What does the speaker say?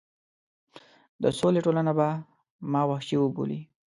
د سولې ټولنه به ما وحشي وبولي.